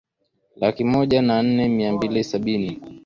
laki moja na nne mia mbili sabini